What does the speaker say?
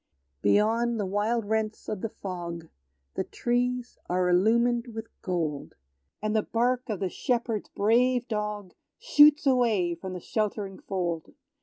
Beyond the wide rents of the fog, The trees are illumined with gold; And the bark of the shepherd's brave dog Shoots away from the sheltering fold.